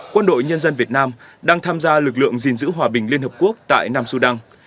quân đội nhân dân việt nam đang tham gia lực lượng gìn giữ hòa bình liên hợp quốc tại nam sudan